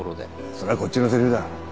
それはこっちのせりふだ。